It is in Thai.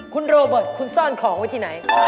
คุณโรเบิร์ตคุณซ่อนของไว้ที่ไหน